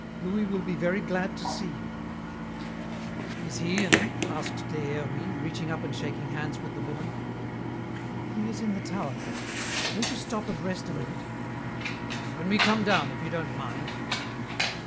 "Louis will be very glad to see you." "Is he in?" asked Des Hermies, reaching up and shaking hands with the woman. "He is in the tower. Won't you stop and rest a minute?" "Why, when we come down, if you don't mind."